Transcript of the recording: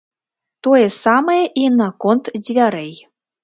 Тое самае і наконт дзвярэй.